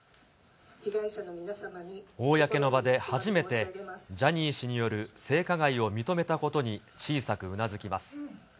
公の場で初めてジャニー氏による性加害を認めたことに小さくうなずきます。